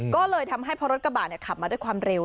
ก็เลยทำให้พอรถกระบะขับมาด้วยความเร็ว